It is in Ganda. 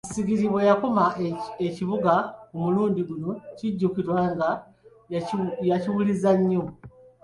Kisingiri bwe yakuuma Ekibuga ku mulundi guno kijjukirwa nga yakiwuliza nnyo.